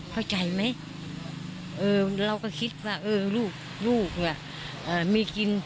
เข้าใจไหมเออเราก็คิดว่าเออลูกลูกน่ะเอ่อมีกิน